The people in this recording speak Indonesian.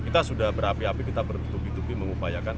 kita sudah berapi api kita bertupi tupi mengupayakan